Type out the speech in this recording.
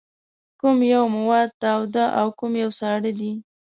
کوم یو مواد تاوده او کوم یو ساړه دي؟